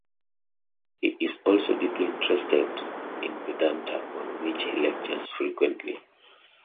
He is also deeply interested in Vedanta, on which he lectures frequently.